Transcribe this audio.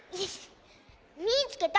「みいつけた！